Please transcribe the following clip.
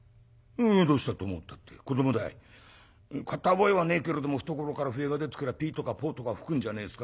「どうしたと思うったって子どもだい。買った覚えはねえけれども懐から笛が出てくればピーとかポーとか吹くんじゃねえですか」。